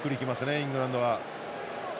イングランド